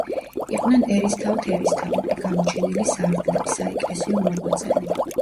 იყვნენ ერისთავთერისთავები, გამოჩენილი სარდლები, საეკლესიო მოღვაწენი.